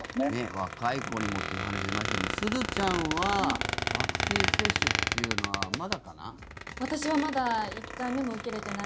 若い子にもという話が出ましたがすずちゃんはワクチン接種というのはまだかな？